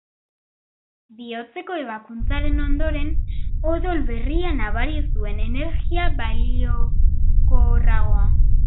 Bihotzeko ebakuntzaren ondoren odol berria nabari zuen, energia baikorragoa.